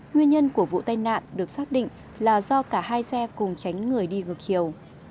nguyên nhân của vụ tai nạn được xác định là do cả hai xe cùng tránh người đi ngược chiều